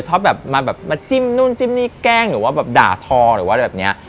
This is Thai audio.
ชอบมาจิ้มนู่นจิ้มนี่แกล้งหรือว่าด่าทอหรือว่าแบบนี้